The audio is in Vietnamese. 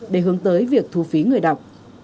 để hướng tới việc thu phí người đọc